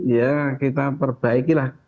ya kita perbaikilah